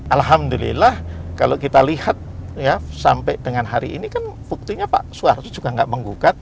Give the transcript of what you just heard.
alhamdulillah kalau kita lihat ya sampai dengan hari ini kan buktinya pak suharto juga nggak menggugat